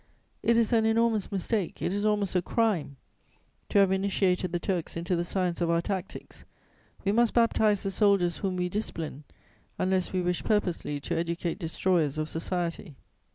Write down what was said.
It is an enormous mistake, it is almost a crime, to have initiated the Turks into the science of our tactics; we must baptize the soldiers whom we discipline, unless we wish purposely to educate destroyers of society.